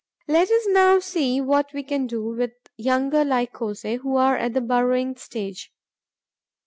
Let us now see what we can do with younger Lycosae, who are at the burrowing stage.